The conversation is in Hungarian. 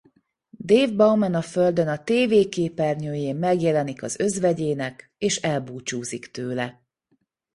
Dave Bowman a Földön a tévé képernyőjén megjelenik az özvegyének és elbúcsúzik tőle.